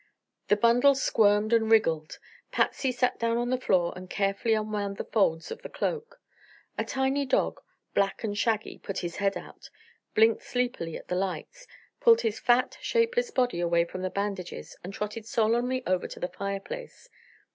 The bundle squirmed and wriggled. Patsy sat down on the floor and carefully unwound the folds of the cloak. A tiny dog, black and shaggy, put his head out, blinked sleepily at the lights, pulled his fat, shapeless body away from the bandages and trotted solemnly over to the fireplace.